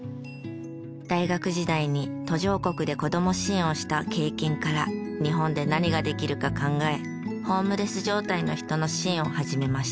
大学時代に途上国で子供支援をした経験から日本で何ができるか考えホームレス状態の人の支援を始めました。